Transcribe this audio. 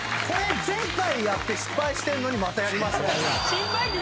これ前回やって失敗してんのにまたやりました。